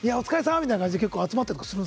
みたいな感じで集まったりするの？